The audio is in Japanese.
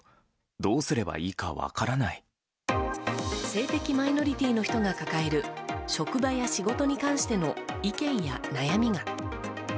性的マイノリティーの人が抱える職場や仕事に関しての意見や悩みが。